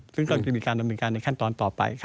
ซึ่งก็จะมีการดำเนินการในขั้นตอนต่อไป